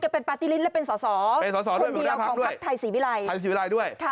เขาเป็นปฏิริตและเป็นสอสอคนเดียวของพักไทยศรีวิรัยด้วย